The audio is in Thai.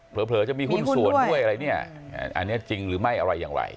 เผลอจะมีหุ้นส่วนด้วยอะไรเนี่ยอันนี้จริงหรือไม่อะไรอย่างไร